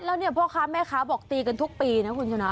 แล้วเนี่ยพ่อค้าแม่ค้าบอกตีกันทุกปีนะคุณชนะ